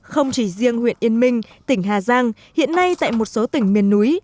không chỉ riêng huyện yên minh tỉnh hà giang hiện nay tại một số tỉnh miền núi